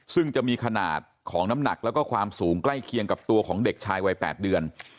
ซึ่งจะมีขนาดของน้ำหนักแล้วก็ความสูงใกล้เคียงกับตัวของเด็กชายวัย๘เดือน